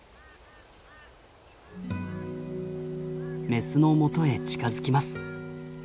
メスのもとへ近づきます。